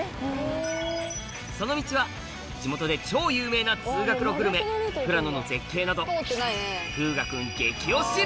その道は地元で超有名な通学路グルメ富良野の絶景など楓芽君